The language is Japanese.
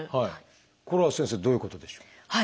これは先生どういうことでしょう？